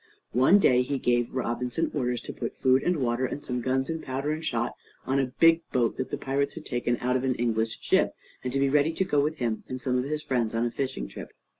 One day he gave Robinson orders to put food and water, and some guns, and powder and shot, on a big boat that the pirates had taken out of an English ship, and to be ready to go with him and some of his friends on a fishing trip.